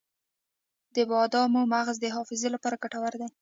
د بادامو مغز د حافظې لپاره ګټور دی.